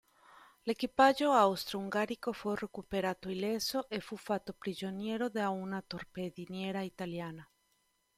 L'equipaggio austro-ungarico fu recuperato illeso e fu fatto prigioniero da una torpediniera italiana.